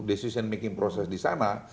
decision making proses disana